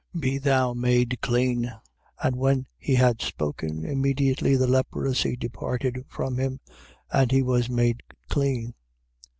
Be thou made clean. 1:42. And when he had spoken, immediately the leprosy departed from him: and he was made clean.